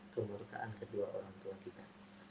kemerdekaan kedua orang tua kita